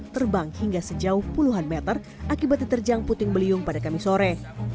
terbang hingga sejauh puluhan meter akibat diterjang puting beliung pada kamis sore